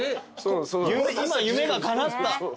今夢がかなった。